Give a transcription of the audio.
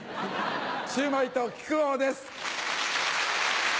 シューマイと木久扇です！